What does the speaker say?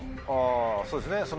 あそうですね